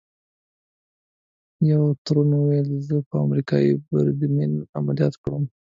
یوه تورن وویل: زه به امریکايي بریدمن عملیات کړم.